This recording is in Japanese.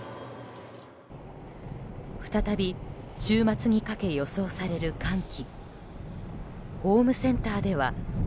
再び、週末にかけ予想される寒気。